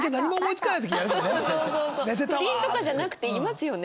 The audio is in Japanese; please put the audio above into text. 不倫とかじゃなくていますよね。